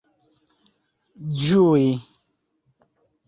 ĝui